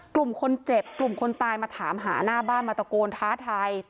กลุ่มคนเจ็บกลุ่มคนตายมาถามหาหน้าบ้านมาตะโกนท้าทาย